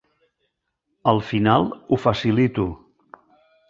Al final ho facilito.